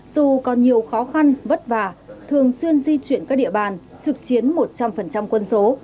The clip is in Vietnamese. dù còn nhiều khó khăn vất vả thường xuyên di chuyển các địa bàn trực chiến một trăm linh quân số